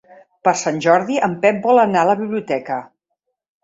Per Sant Jordi en Pep vol anar a la biblioteca.